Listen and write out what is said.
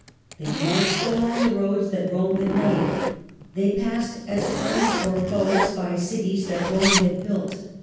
They fy (ll/l r marched along the roads that Rome had made, they passed, as friends or foes, by cities that Rome had built.